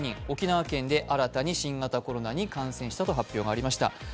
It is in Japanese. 沖縄県で新たに新型コロナに感染と発表がありました。